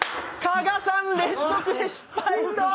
加賀さん、連続で失敗。